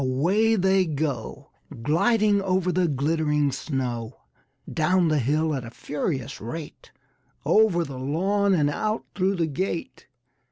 away they go Gliding over the glittering snow, Down the hill at a furious rate, Over the lawn and out through the gate.